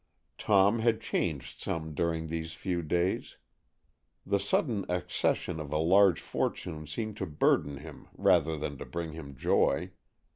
Tom had changed some during these few days. The sudden accession of a large fortune seemed to burden him rather than to bring him joy.